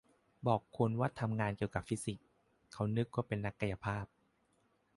บอกคนว่าทำงานเกี่ยวกับฟิสิกส์ เค้านึกว่าเป็นนักกายภาพ